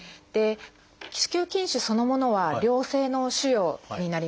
子宮筋腫そのものは良性の腫瘍になります。